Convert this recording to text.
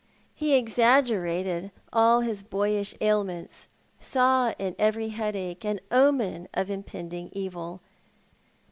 He exaggerated all his boyish ailments, saw in every headache an omen of impending evil.